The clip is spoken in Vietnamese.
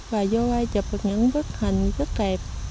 và vô ai chụp được những bức hình rất đẹp